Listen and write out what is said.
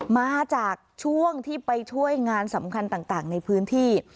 มาจากช่วงที่ไปช่วยงานสำคัญต่างในพื้นที่